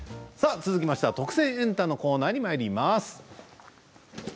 続きましては「特選！エンタ」のコーナーです。